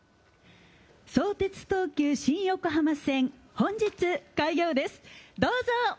相鉄東急新横浜線、本日、開業です。